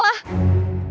tidak ada pertanyaan